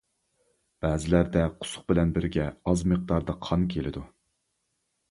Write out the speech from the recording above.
بەزىلەردە قۇسۇق بىلەن بىرگە ئاز مىقداردا قان كېلىدۇ.